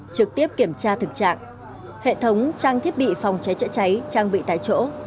trực tiếp kiểm tra thực trạng hệ thống trang thiết bị phòng cháy chữa cháy trang bị tại chỗ